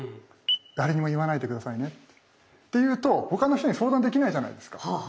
「誰にも言わないで下さいね」って言うと他の人に相談できないじゃないですか。